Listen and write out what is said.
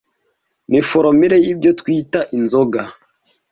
ni formula yibyo twita Inzoga